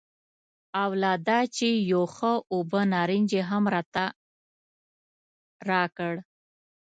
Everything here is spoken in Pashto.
او لا دا چې یو ښه اوبه نارنج یې هم راته راکړ.